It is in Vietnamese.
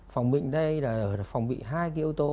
phòng bị hai yếu tố